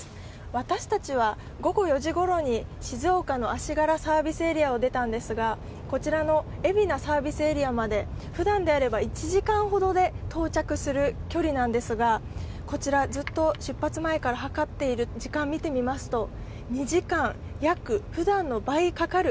私たちは午後４時ごろに静岡の足柄サービスエリアを出たんですがこちらの海老名サービスエリアまでふだんなら１時間ほどで到着する距離なんですが、ずっと出発前から計っている時間を見てみますと２時間、約、ふだんの倍かかる、